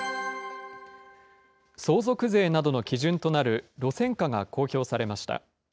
相続税などの基準となる路線価が公表されました。